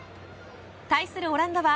対するオランダは